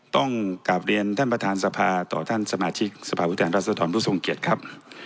ต้องกลับเรียนท่านประธานสภาต่อท่านสมาชิกสภาพุทธภัณฑ์ราชฎรพุทธทรงเกียรติครับ